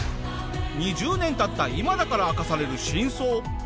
２０年経った今だから明かされる真相。